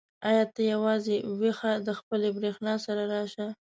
ای ته یوازې ويښه د خپلې برېښنا سره راشه.